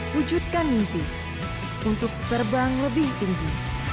wujudkan mimpi untuk terbang lebih tinggi